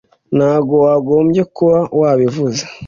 ntabwo wagombye kuba wabivuze